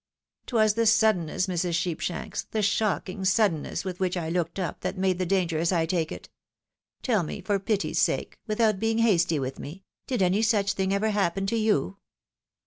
'Twas the sudden ness, Mrs. Sheepshanks, the shocking suddenness, with which I looked up, that made the danger, as I take it. Tell me, for pity's sake, without being hasty with me, did any such thing ever happen to you